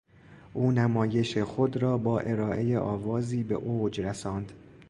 او نمایش خود را با ارائه آوازی به اوج رساند.